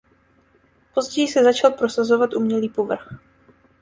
Později se začal prosazovat umělý povrch.